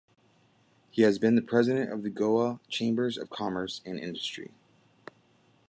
He has been the president of the Goa Chambers of Commerce and Industry.